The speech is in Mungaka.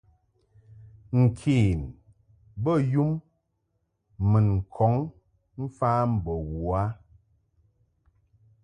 Nken bey um mun kɔŋ mfa mbo u a.